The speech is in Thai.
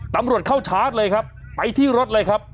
ตำรวจเข้าชาร์จเลยครับไปที่รถเลยครับ